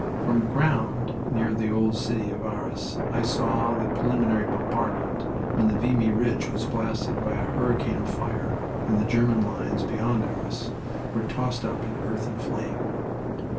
From ground near the old city of Arras I saw the preliminary bombardment when the Vimy Ridge was blasted by a hurricane of fire and the German lines beyond Arras were tossed up in earth and flame.